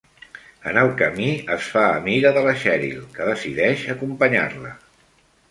En el camí, es fa amiga de la Sheryl, que decideix acompanyar-la.